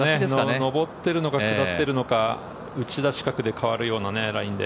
上ってるのか下ってるのか打ち出し角で変わるようなラインで。